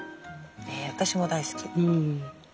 私も大好き。